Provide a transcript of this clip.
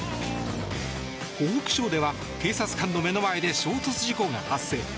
湖北省では警察官の目の前で衝突事故が発生。